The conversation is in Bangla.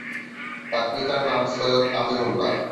তার পিতার নাম সৈয়দ আমিন উল্লাহ।